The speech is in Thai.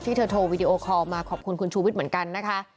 เธอโทรวีดีโอคอลมาขอบคุณคุณชูวิทย์เหมือนกันนะคะ